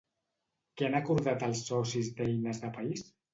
Què han acordat els socis d'Eines de País?